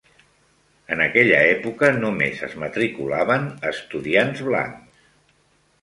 En aquella època només es matriculaven estudiants blancs.